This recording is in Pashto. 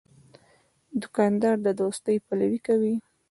دوکاندار د دوستۍ پلوي کوي.